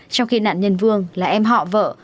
trong khi nạn nhân vương là em họ vợ